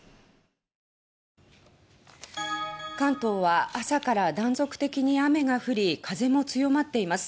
関東は朝から断続的に雨が降り風も強まっています。